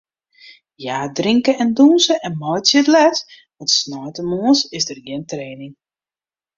Hja drinke en dûnsje en meitsje it let, want sneintemoarns is der gjin training.